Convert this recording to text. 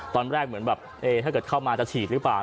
ตอนแรกเหมือนแบบถ้าเกิดเข้ามาจะฉีดหรือเปล่า